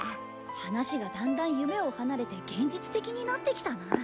話がだんだん夢を離れて現実的になってきたな。